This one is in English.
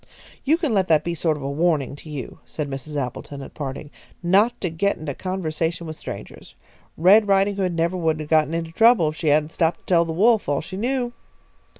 "You can let that be a sort of warning to you," said Mrs. Appleton, at parting, "not to get into conversation with strangers. Red Ridinghood never would have got into trouble if she hadn't stopped to tell the Wolf all she knew."